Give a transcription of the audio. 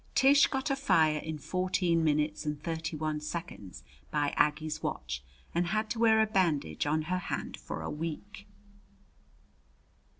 Tish got a fire in fourteen minutes and thirty one seconds by Aggie's watch, and had to wear a bandage on her hand for a week.